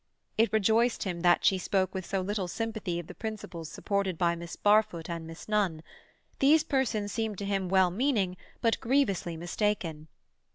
It rejoiced him that she spoke with so little sympathy of the principles supported by Miss Barfoot and Miss Nunn; these persons seemed to him well meaning, but grievously mistaken.